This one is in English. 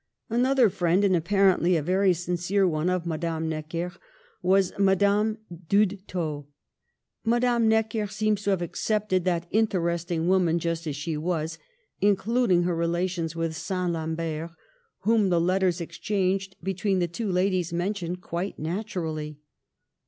Another friend, and apparently a very sincere one, of Madame Necker, was Madame d'Houde tdt. Madame Necker seems to have accepted that interesting woman just as she was, including her relations with St. Lambert, whom the letters exchanged between the two ladies mention quite naturally.